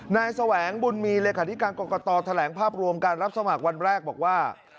แสวงบุญมีเลขาธิการกรกตแถลงภาพรวมการรับสมัครวันแรกบอกว่า